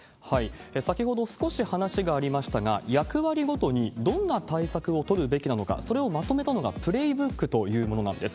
先ほど少し話がありましたが、役割ごとにどんな対策を取るべきなのか、それをまとめたのがプレーブックというものなんです。